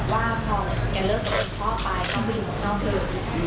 ว่าพอแกเลิกกับพี่พ่อไปก็ไปอยู่ตรงนอกเดิม